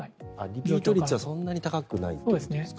リピート率はそんなに高くないということですか。